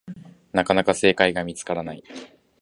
なかなか正解が見つからない